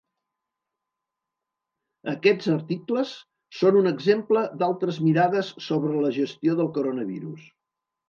Aquests articles són un exemple d'altres mirades sobre la gestió del coronavirus.